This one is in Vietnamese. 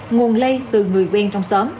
nguồn lây từ người quen trong xóm